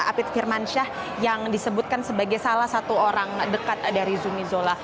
apit firmansyah yang disebutkan sebagai salah satu orang dekat dari zumi zola